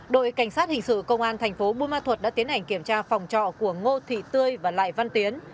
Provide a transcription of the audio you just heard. đội cảnh sát hình sự công an tp bô ma thuật đã tiến hành kiểm tra phòng trọ của ngô thị tươi và lại văn tiến